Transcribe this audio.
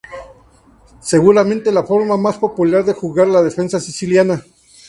Seguramente, la forma más popular de jugar la defensa siciliana.